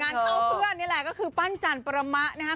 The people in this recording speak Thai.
เข้าเพื่อนนี่แหละก็คือปั้นจันประมะนะครับ